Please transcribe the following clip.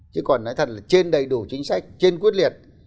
chứ còn nói thật là trên đầy đủ chính sách trên quyết liệt